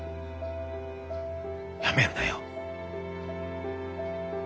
やめるなよ。